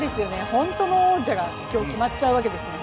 本当の王者が今日決まっちゃうわけですね。